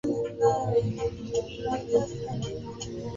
wamebadili Roe Versus Wade kwa uwamuzi wao mzuri